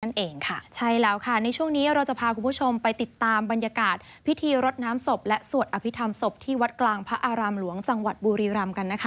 นั่นเองค่ะใช่แล้วค่ะในช่วงนี้เราจะพาคุณผู้ชมไปติดตามบรรยากาศพิธีรดน้ำศพและสวดอภิษฐรรมศพที่วัดกลางพระอารามหลวงจังหวัดบุรีรำกันนะคะ